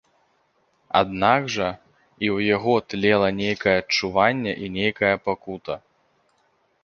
Аднак жа і ў яго тлела нейкае адчуванне, нейкая пакута.